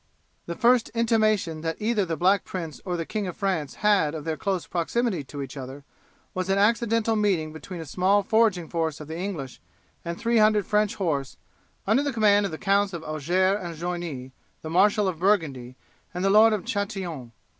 The first intimation that either the Black Prince or the King of France had of their close proximity to each other was an accidental meeting between a small foraging force of the English and three hundred French horse, under the command of the Counts of Auxerre and Joigny, the marshal of Burgundy, and the lord of Chatillon.